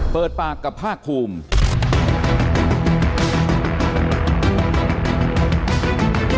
เปิดปากกับภาคภูมิ